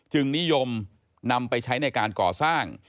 นิยมนำไปใช้ในการก่อสร้าง